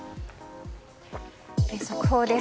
速報です。